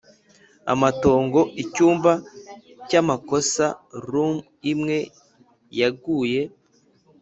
amatongo, icyumba cyamakosa, rood imwe yaguye